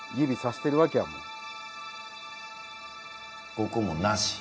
ここもなし。